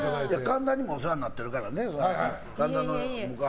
神田にもお世話になってるからね。